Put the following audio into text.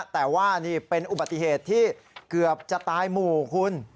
แต่ว่านี่เป็นอุบัติเหตุที่เกือบจะตายหมู่คุณ